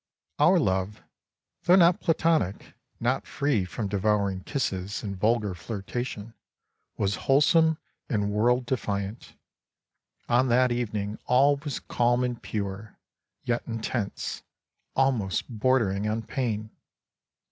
Our love, though not platonic, not free from devouring kisses and vulgar flirtation, was wholesome and world defiant. On that evening all was calm and pure, yet in tense, almost bordering on pain.